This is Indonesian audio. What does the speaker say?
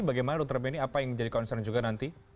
bagaimana dr beni apa yang menjadi concern juga nanti